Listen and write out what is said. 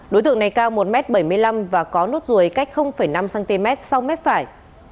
đối tượng này cao một m bảy mươi năm và có nốt ruồi cách năm cm sau mép phải